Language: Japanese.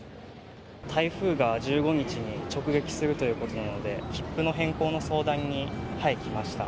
台風が１５日に直撃するということなので、切符の変更の相談に来ました。